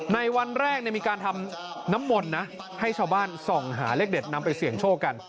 ในวันแรกมีการทำน้ำมนต์นะให้ชาวบ้านส่องหาเลขเด็ดนำไปเสี่ยงโชคกัน